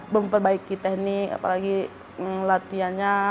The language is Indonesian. memperbaiki teknik apalagi latihannya